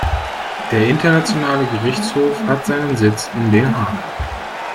Der internationale Gerichtshof hat seinen Sitz in Den Haag.